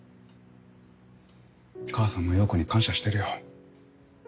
母さんも陽子に感謝してるよ。